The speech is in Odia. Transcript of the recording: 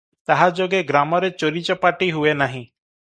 ତାହା ଯୋଗେ ଗ୍ରାମରେ ଚୋରି ଚପାଟି ହୁଏ ନାହିଁ ।